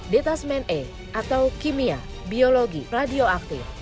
lima detasmen e atau penjagaan kepala kepala kepala kepala